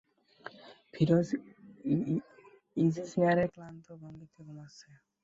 ফিরোজ ইজিচেয়ারে ক্লান্ত ভঙ্গিতে ঘুমাচ্ছে।